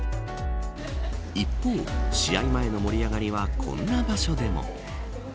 一方、試合前の盛り上がりはこんな場所でも。